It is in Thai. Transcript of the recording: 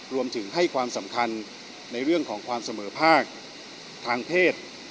รวมถึงให้ความสำคัญในเรื่องของความเสมอภาคทางเพศ